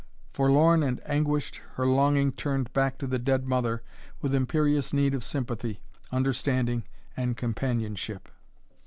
Forlorn and anguished, her longing turned back to the dead mother with imperious need of sympathy, understanding, and companionship.